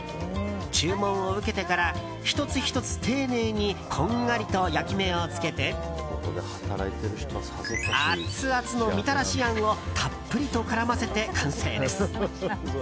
注文を受けてから１つ１つ、丁寧にこんがりと焼き目をつけてアツアツのみたらしあんをたっぷりと絡ませて完成です。